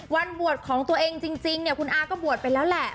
วันบวชของตัวเองจริงเนี่ยคุณอาก็บวชไปแล้วแหละ